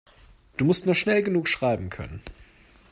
Du musst nur schnell genug schreiben können.